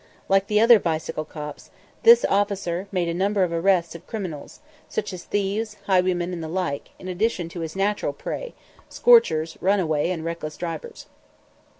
Like the other "bicycle cops," this officer made a number of arrests of criminals, such as thieves, highwaymen, and the like, in addition to his natural prey scorchers, runaways, and reckless drivers.